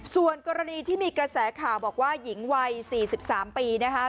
ส่วนกรณีที่มีกระแสข่าวบอกว่าหญิงวัย๔๓ปีนะคะ